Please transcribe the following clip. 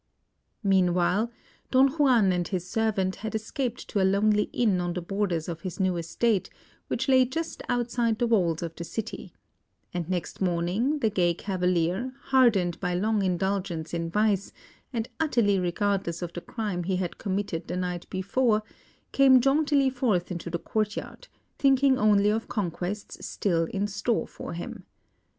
Meanwhile, Don Juan and his servant had escaped to a lonely inn on the borders of his own estate, which lay just outside the walls of the city; and next morning, the gay cavalier, hardened by long indulgence in vice, and utterly regardless of the crime he had committed the night before, came jauntily forth into the courtyard, thinking only of conquests still in store for him.